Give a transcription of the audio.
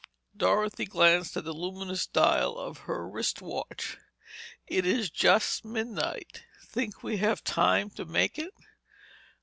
Dorothy glanced at the luminous dial of her wrist watch. "It is just midnight. Think we have time to make it?"